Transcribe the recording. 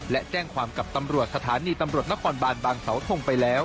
และแจ้งความกับตำรวจสถานีตำรวจนครบานบางเสาทงไปแล้ว